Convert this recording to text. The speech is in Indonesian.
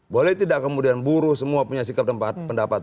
boleh tidak kemudian buruh semua punya sikap dan pendapat